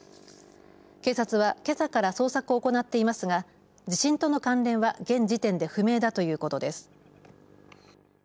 警察はけさから捜索を行っていますが地震との関連は現時点で不明だということです。